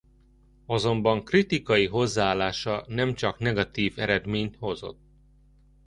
Azonban kritikai hozzáállása nem csak negatív eredményt hozott.